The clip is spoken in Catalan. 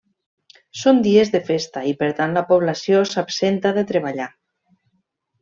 Són dies de festa i per tant la població s'absenta de treballar.